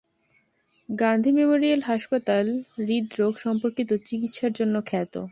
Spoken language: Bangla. গান্ধী মেমোরিয়াল হাসপাতাল হৃদরোগ সম্পর্কিত চিকিৎসার জন্য খ্যাত।